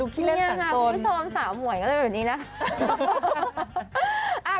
พี่เนี่ยค่ะพี่ซ้อมสาม่วยก็เลยแบบนี้น่ะ